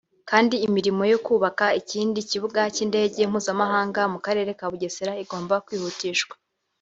kandi imirimo yo kubaka ikindi kibuga cy’indege mpuzamahanga mu karere ka Bugesera igomba kwihutishwa